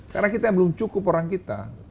karena kita belum cukup orang kita